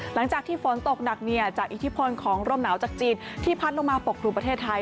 หลังจากที่ฝนตกหนักจากอิทธิพลของลมหนาวจากจีนที่พัดลงมาปกครุมประเทศไทย